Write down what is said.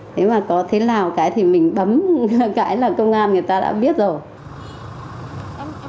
nếu mà có thế nào cái thì mình bấm cái là công an người ta đã biết rồi